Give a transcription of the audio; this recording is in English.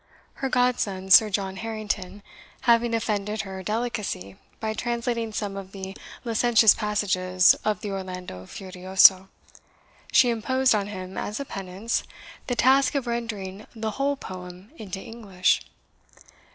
Her godson, Sir John Harrington, having offended her delicacy by translating some of the licentious passages of the Orlando Furioso, she imposed on him, as a penance, the task of rendering the WHOLE poem into English.